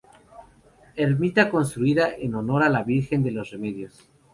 Ermita construida en honor a la Virgen de los Remedios.